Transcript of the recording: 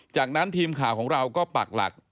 จากนั้นทีมข่าวของเราก็ปักหลัก